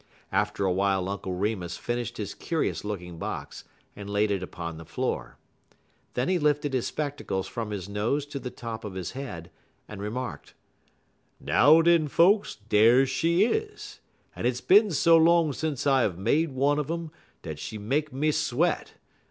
After a while Uncle Remus finished his curious looking box and laid it upon the floor. Then he lifted his spectacles from his nose to the top of his head, and remarked: "Now, den, folks, dar she is, en hit's bin so long sence I uv made one un um dat she make me sweat.